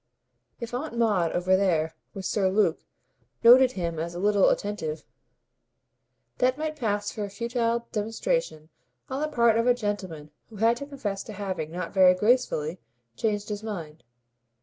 If Aunt Maud, over there with Sir Luke, noted him as a little "attentive," that might pass for a futile demonstration on the part of a gentleman who had to confess to having, not very gracefully, changed his mind.